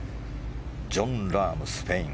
ジョン・ラーム、スぺイン。